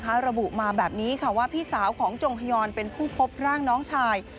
ระบุมาแบบนี้ค่ะว่าพี่สาวของจงฮยอนเป็นผู้พบร่างน้องชาย